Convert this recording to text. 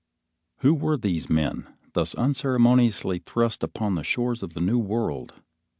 Who were these men, thus unceremoniously thrust upon the shores of the New World?